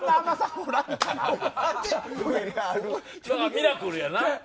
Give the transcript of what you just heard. ミラクルやな。